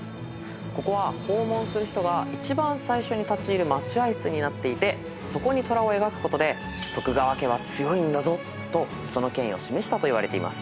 ここは訪問する人が一番最初に立ち入る待合室になっていてそこに虎を描くことで徳川家は強いんだぞとその権威を示したといわれています。